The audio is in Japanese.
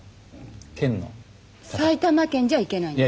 埼玉県じゃいけないんですか？